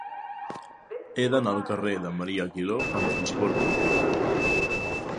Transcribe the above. He d'anar al carrer de Marià Aguiló amb trasport públic.